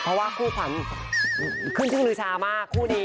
เพราะว่าคู่ขวัญขึ้นชื่อลือชามากคู่นี้